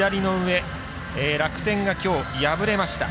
楽天がきょう破れました。